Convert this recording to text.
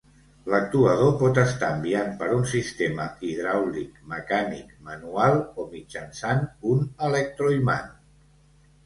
L'actuador pot estar enviant per un sistema hidràulic, mecànic, manual, o mitjançant un electroimant.